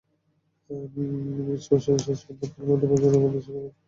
Mix-mastering শেষে সম্প্রতি অ্যালবামটি প্রযোজনা প্রতিষ্ঠানের কাছে জমাও দিয়ে দিয়েছেন তানজীব।